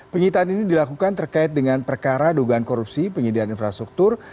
penghitaan ini dilakukan terkait dengan perkara dogan korupsi penghitaan infrastruktur